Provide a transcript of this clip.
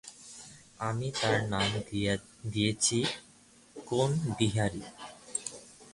আমি তার নাম দিয়েছি কোণবিহারী।